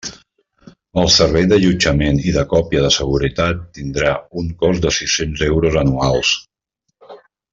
El servei d'allotjament i de còpia de seguretat tindrà un cost de sis-cents euros anuals.